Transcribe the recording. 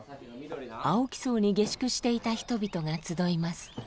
青木荘に下宿していた人々が集います